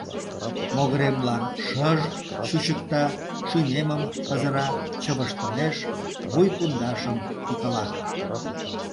Могыремлан шыж чучыкта: шӱмемым пызыра, чывыштылеш; вуй пундашым тӱкала.